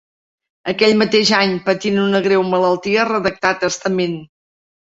Aquell mateix any, patint una greu malaltia, redactà testament.